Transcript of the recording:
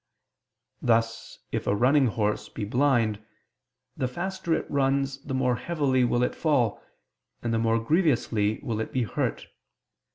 Thus if a running horse be blind, the faster it runs the more heavily will it fall, and the more grievously will it be hurt.